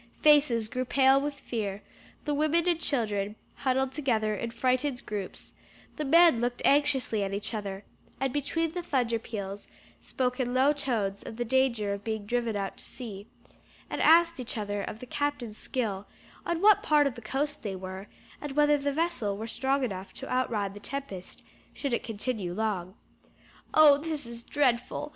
Faces grew pale with fear; the women and children huddled together in frightened groups; the men looked anxiously at each other, and between the thunder peals, spoke in low tones of the danger of being driven out to sea, and asked each other of the captain's skill, on what part of the coast they were, and whether the vessel were strong enough to outride the tempest, should it continue long. "Oh, this is dreadful!